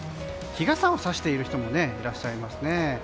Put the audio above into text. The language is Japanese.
日傘をさしている人もいらっしゃいますね。